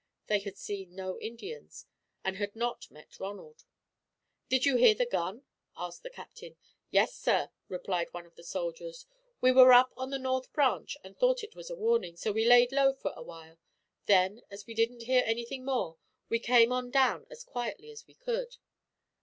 They had seen no Indians, and had not met Ronald. "Did you hear the gun?" asked the Captain. "Yes, sir," replied one of the soldiers. "We were up on the North Branch and thought it was a warning, so we laid low for a while. Then, as we didn't hear anything more, we came on down as quietly as we could."